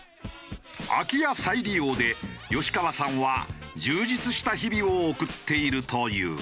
空き家再利用で吉川さんは充実した日々を送っているという。